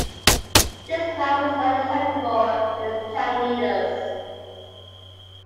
This plan was not acceptable to the town leaders.